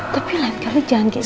tapi lain kali jangan kayak gini